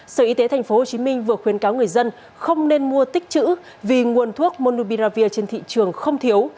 sở y tế tp hcm vừa khuyến cáo người dân không nên mua tích chữ vì nguồn thuốc monubiravir trên thị trường không thiếu